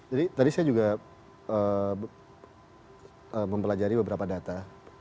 jadi tadi saya juga mempelajari beberapa data